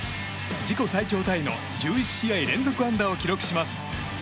自己最長タイの１１試合連続安打を記録します。